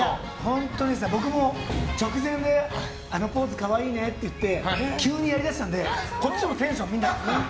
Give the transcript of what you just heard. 僕も直前であのポーズ可愛いねって言って急にやりだしたのでこっちもテンションがみんな。